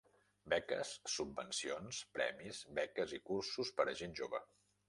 Beques, subvencions, premis, beques i cursos per a gent jove.